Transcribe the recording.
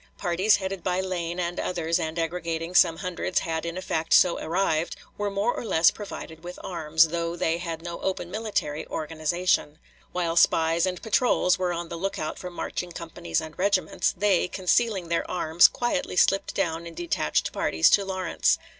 Parties headed by Lane and others and aggregating some hundreds had in fact so arrived, and were more or less provided with arms, though they had no open military organization. While spies and patrols were on the lookout for marching companies and regiments, they, concealing their arms, quietly slipped down in detached parties to Lawrence.